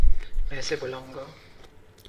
میں اسے بلاوں گا